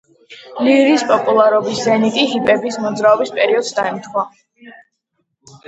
ლირის პოპულარობის ზენიტი ჰიპების მოძრაობის პერიოდს დაემთხვა.